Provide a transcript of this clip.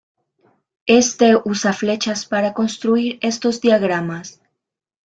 Este usa flechas para construir estos diagramas.